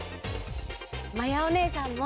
まやおねえさんも！